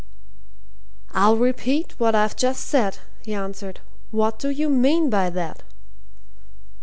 "I'll repeat what I've just said," he answered. "What do you mean by that?"